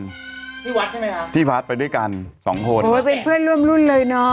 ที่วัดใช่ไหมคะที่วัดไปด้วยกันสองคนโอ้ยเป็นเพื่อนร่วมรุ่นเลยเนอะ